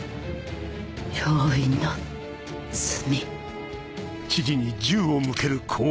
病院の罪。